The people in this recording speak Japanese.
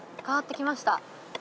変わってきました。